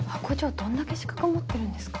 どんだけ資格持ってるんですか？